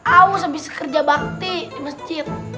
awus abis kerja bakti di masjid